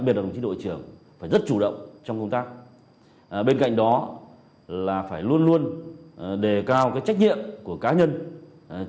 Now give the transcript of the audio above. biệt là hình transmission phải rất chủ động trong công tác ở bên cạnh đó trong công tác ba bên cạnh đó